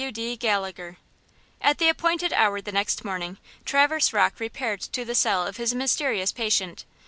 –W. D. GALLAGHER. AT the appointed hour the next morning Traverse Rocke repaired to the cell of his mysterious patient.